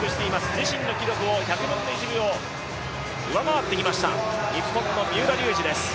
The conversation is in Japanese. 自身の記録を１００分の１秒上回ってきました日本の三浦龍司です。